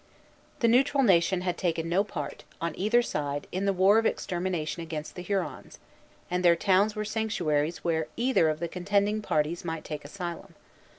The Neutral Nation had taken no part, on either side, in the war of extermination against the Hurons; and their towns were sanctuaries where either of the contending parties might take asylum.